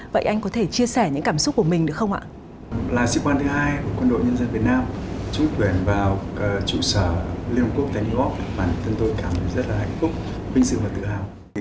và tên tôi cảm thấy rất là hạnh phúc vinh dự và tự hào